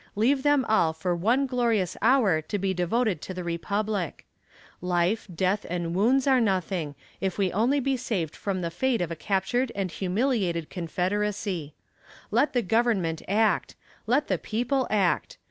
Leave them all for one glorious hour to be devoted to the Republic. Life, death, and wounds are nothing if we only be saved from the fate of a captured and humiliated Confederacy. Let the Government act; let the people act.